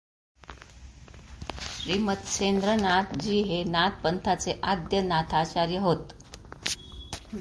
श्री मत्स्येंद्रनाथ जी हे नाथ पंथाचे आद्य नाथाचार्य होत.